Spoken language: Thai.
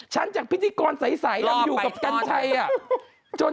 จากพิธีกรใสแล้วอยู่กับกัญชัย